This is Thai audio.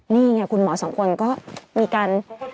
นี่ไงคุณหมอสองคนก็มีการ